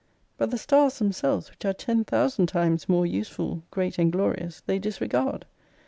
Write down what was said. But the stars themselves which are ten thousand times more useful, great, and glorious they disregard.